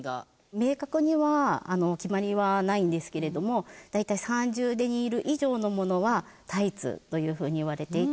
明確には決まりはないんですけれども大体３０デニール以上のものは「タイツ」という風にいわれていて。